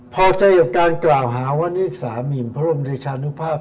พอใจกับการกล่าวหาว่านี่สามีพระบรมเดชานุภาพ